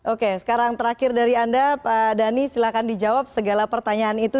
oke sekarang terakhir dari anda pak dhani silahkan dijawab segala pertanyaan itu